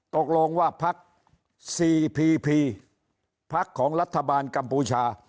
ตกลงว่าพัก๔พีพีพักของรัฐบาลกัมพูชา